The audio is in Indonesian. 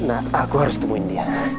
aku harus temuin dia